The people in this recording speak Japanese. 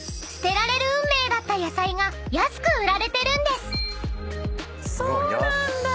捨てられる運命だった野菜が安く売られてるんです］